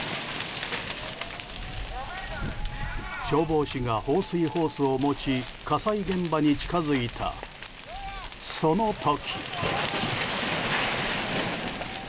消防士が放水ホースを持ち火災現場に近づいたその時。